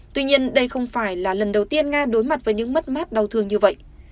tuy nhiên đây không phải là lần đầu tiên nga đối mặt với những mất mát đau thương như vậy